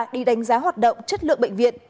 đi đánh giá hoạt động chất lượng bệnh viện